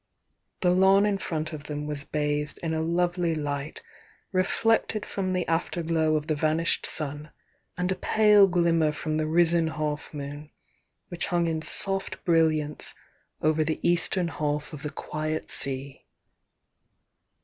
The lawn in front of them was bathed in a lovely li^t reflected from the after glow of the vanished sun and a pale glim mer from the risen half moon, which hung in soft brilliance over the eastern half of the quiet sea.